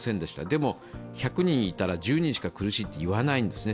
でも１００人いたら１０人しか苦しいと言わないんですね。